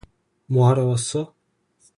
뭐 하러 왔어?